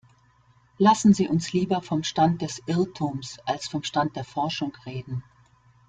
Lassen Sie uns lieber vom Stand des Irrtums als vom Stand der Forschung reden.